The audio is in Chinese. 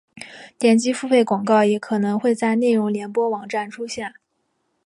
点击付费广告也可能会在内容联播网站出现。